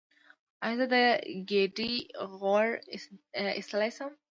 ایا زه د ګیډې غوړ ایستلی شم؟